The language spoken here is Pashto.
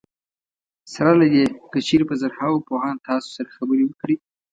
سره له دې که چېرې په زرهاوو پوهان تاسو سره خبرې وکړي.